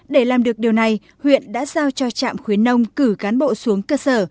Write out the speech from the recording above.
để làm được điều này huyện đã giao cho trạm khuyến nông cử cán bộ xuống cơ sở